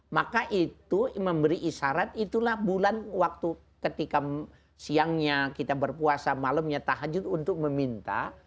maka itu memberi isyarat itulah bulan waktu ketika siangnya kita berpuasa malamnya tahajud untuk meminta